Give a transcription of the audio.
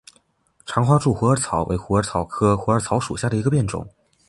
长花柱虎耳草为虎耳草科虎耳草属下的一个变种。